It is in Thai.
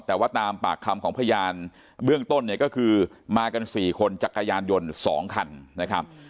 แต่ว่าตามปากคำของพยานเบื้องต้นเนี่ยก็คือมากัน๔คนจักรยานยนต์๒คันนะครับ